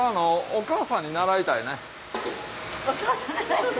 お母さんに習いたい？